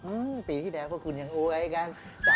อืมปีที่แรกพวกคุณยังเอ้ยยกัน